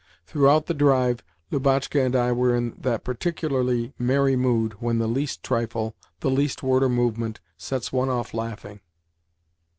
Throughout the drive Lubotshka and I were in that particularly merry mood when the least trifle, the least word or movement, sets one off laughing.